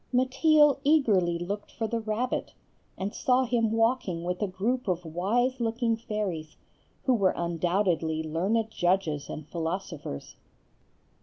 Mateel eagerly looked for the rabbit, and saw him walking with a group of wise looking fairies, who were undoubtedly learned judges and philosophers.